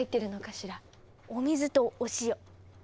お水とお塩。